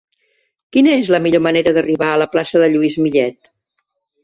Quina és la millor manera d'arribar a la plaça de Lluís Millet?